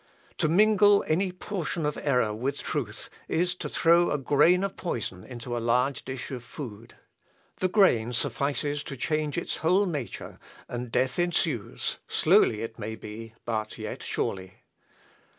To mingle any portion of error with truth is to throw a grain of poison into a large dish of food. The grain suffices to change its whole nature, and death ensues slowly, it may be; but yet surely.